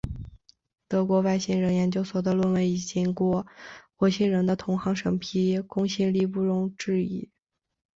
德国外星人研究所的论文已经过火星人的同行审批，公信力不容置疑。